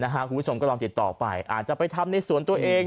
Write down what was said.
คุณผู้ชมก็ลองติดต่อไปอาจจะไปทำในสวนตัวเอง